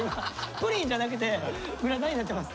プリンじゃなくてグラタンになってます。